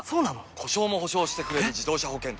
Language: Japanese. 故障も補償してくれる自動車保険といえば？